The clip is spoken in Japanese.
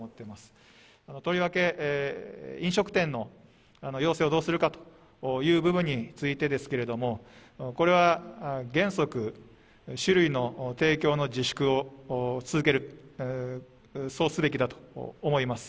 とりわけ飲食店の要請をどうするかという部分についてですけども、これは原則、酒類の提供の自粛を続けると、そうすべきだと思います。